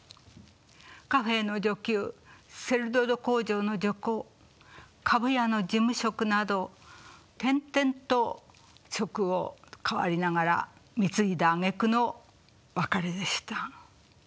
カフェーの女給セルロイド工場の女工株屋の事務職など転々と職を変わりながら貢いだあげくの別れでした。